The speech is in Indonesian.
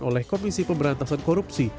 oleh komisi pemberantasan komunikasi